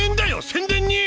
宣伝に！